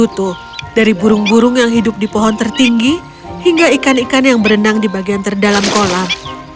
tidak ikan ikan yang berenang di bagian terdalam kolam